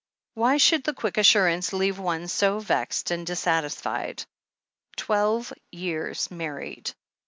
Why should the quick assurance leave one so vexed and dissatisfied ? Twelve years married.